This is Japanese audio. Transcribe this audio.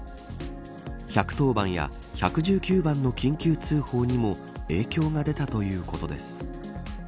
１１０番や１１９番の緊急通報にも影響が出たということです。